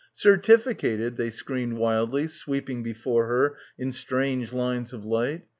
"Certificated?" they screamed wildly sweeping before her in strange lines of light.